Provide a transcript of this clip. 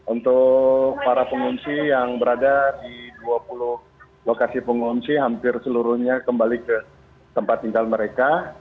untuk para pengungsi yang berada di dua puluh lokasi pengungsi hampir seluruhnya kembali ke tempat tinggal mereka